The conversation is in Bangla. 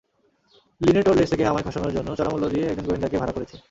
লিনেট ওর লেজ থেকে আমায় খসানোর জন্য চড়া মূল্য দিয়ে একজন গোয়েন্দাকে ভাড়া করেছে।